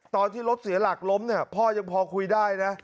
ตอนที่รถเสียหลักล้มเนี่ยพ่อยังพอคุยได้นะ